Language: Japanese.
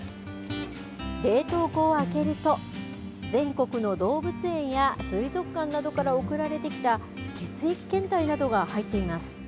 冷凍庫を開けると全国の動物園や水族館などから送られてきた血液検体などが入っています。